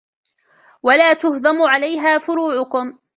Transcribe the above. وَلَا تُهْضَمُ عَلَيْهَا فُرُوعُكُمْ